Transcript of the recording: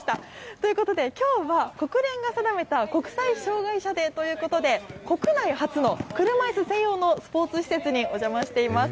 ということで、きょうは国連が定めた国際障害者デーということで、国内初の車いす専用のスポーツ施設にお邪魔しています。